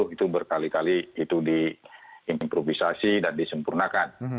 itu berkali kali itu diimprovisasi dan disempurnakan